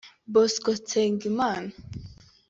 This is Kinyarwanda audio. Bosco Nsengimana